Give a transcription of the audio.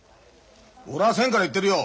俺は先から言ってるよ！